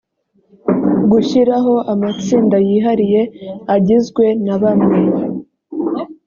gushyiraho amatsinda yihariye agizwe na bamwe